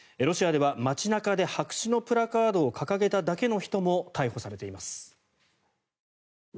ロシアでは、街中で白紙のプラカードを掲げただけの人も逮捕されています。